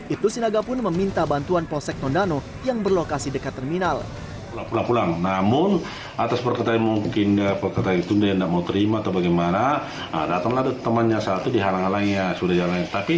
ibtu sinaga pun meminta bantuan polsek tondano yang berlokasi dekat terminal